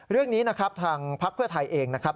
เรื่องนี้นะครับทางพักเพื่อไทยเองนะครับ